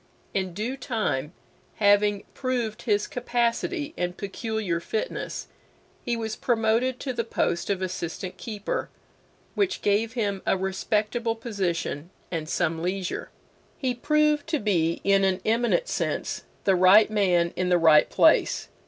In due time, having proved his capacity and peculiar fitness, he was promoted to the post of Assistant Keeper, which gave him a respectable position and some leisure. He proved to be in an eminent sense the right man in the right place.